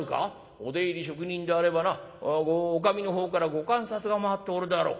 お出入り職人であればなおかみの方からご鑑札が回っておるであろう。